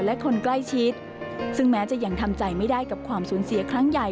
และคนใกล้ชิดซึ่งแม้จะยังทำใจไม่ได้กับความสูญเสียครั้งใหญ่